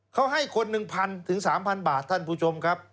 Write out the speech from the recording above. เขาให้คน๑๐๐ถึง๓๐๐บาทท่านผู้ชมครับ